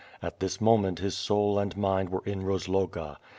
At this moment his soul and mind were in Rozloga.